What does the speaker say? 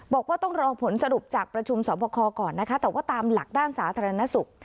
บอกว่าต้องรอผลสรุปจากประชุมสอบคอก่อนนะคะแต่ว่าตามหลักด้านสาธารณสุข